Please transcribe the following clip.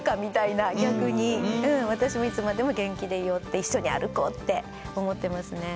私もいつまでも元気でいようって一緒に歩こうって思ってますね。